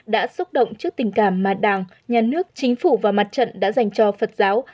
đã xúc động trước tình cảm mà đảng nhà nước chính phủ và mặt trận đã dành cho phật giáo